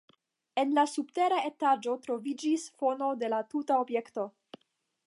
En la subtera etaĝo troviĝis fono de la tuta objekto.